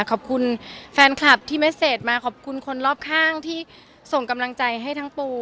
ขอบคุณแฟนคลับที่เมสเซจมาขอบคุณคนรอบข้างที่ส่งกำลังใจให้ทั้งปู